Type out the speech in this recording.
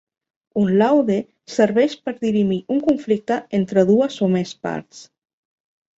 Un laude serveix per dirimir un conflicte entre dues o més parts.